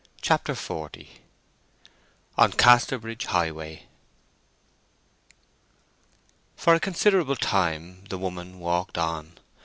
CHAPTER XL ON CASTERBRIDGE HIGHWAY For a considerable time the woman walked on.